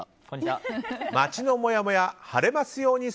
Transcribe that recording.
街のもやもや晴れますように！